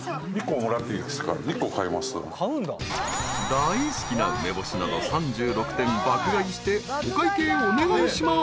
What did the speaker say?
［大好きな梅干しなど３６点爆買いしてお会計お願いします］